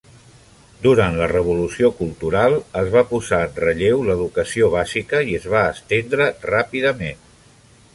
Durant la Revolució Cultura, es va posar en relleu l'educació bàsica i es va estendre ràpidament.